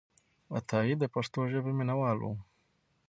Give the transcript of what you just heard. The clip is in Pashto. عطایي د پښتو ژبې مینهوال و.